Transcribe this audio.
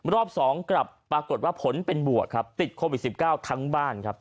รอบ๒กลับปรากฏว่าผลเป็นบวกครับติดโควิด๑๙ทั้งบ้านครับ